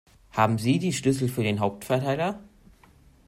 Haben Sie die Schlüssel für den Hauptverteiler?